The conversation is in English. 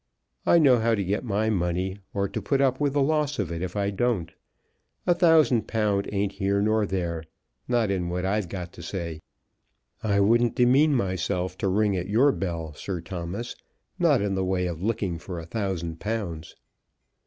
I know how to get my money, or to put up with the loss if I don't. A thousand pound ain't here nor there, not in what I've got to say. I wouldn't demean myself to ring at your bell, Sir Thomas; not in the way of looking for a thousand pounds."